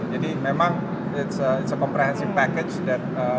jadi memang itu adalah paket yang memperhatikan